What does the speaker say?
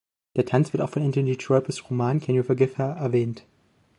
Der Tanz wird auch in Anthony Trollopes Roman „Can You Forgive Her?“ erwähnt.